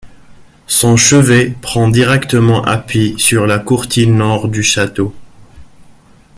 Son chevet prend directement appui sur la courtine nord du château.